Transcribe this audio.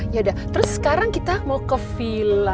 ya dah terus sekarang kita mau ke villa